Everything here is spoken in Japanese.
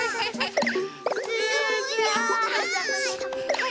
はい。